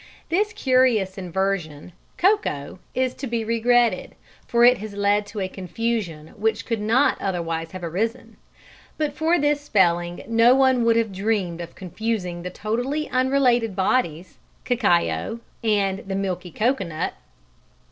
This curious inversion, cocoa, is to be regretted, for it has led to a confusion which could not otherwise have arisen. But for this spelling no one would have dreamed of confusing the totally unrelated bodies, cacao and the milky coconut.